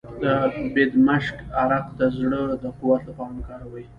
د بیدمشک عرق د زړه د قوت لپاره وکاروئ